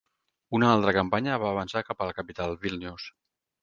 Una altra campanya va avançar cap a la capital, Vílnius.